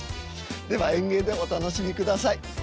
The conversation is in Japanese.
では演芸でお楽しみください。